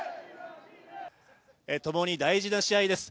ともに大事な試合です。